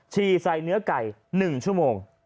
ี่ใส่เนื้อไก่๑ชั่วโมง